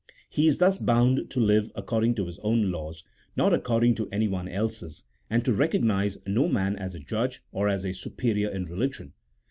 He is thus bound to live accord ing to his own laws, not according to anyone else's, and to recognize no man as a judge, or as a superior in religion.